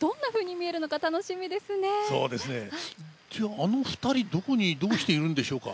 あの２人、どこにどうしてるんでしょうか。